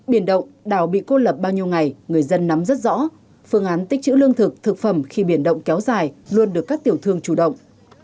biển động đảo bị cô lập bao nhiêu ngày người dân nắm rất rõ phương án tích chữ lương thực thực phẩm khi biển động kéo dài luôn được các tiểu thương chủ động